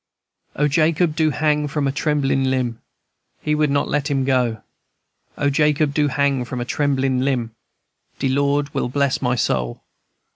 "O, Jacob do hang from a tremblin' limb, He would not let him go! O, Jacob do hang from a tremblin' limb; De Lord will bless my soul.